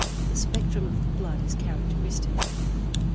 The spectrum of the blood is characteristic.